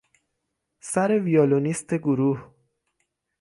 سر ویولونیست گروه